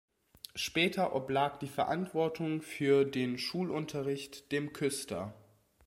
Später oblag die Verantwortung für den Schulunterricht dem Küster.